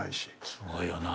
すごいよな。